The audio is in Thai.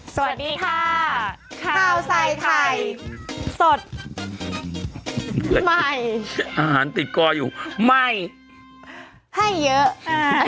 สวัสดีค่ะข้าวใส่ไข่สดใหม่อาหารติดกออยู่ใหม่ให้เยอะค่ะ